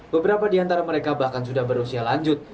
beberapa di antara mereka bahkan sudah berusia lanjut